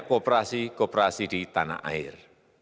kooperasi kooperasi di tanah air